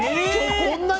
そんなに！